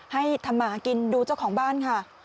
ให้ทำมากินดูเจ้าของบ้านค่ะ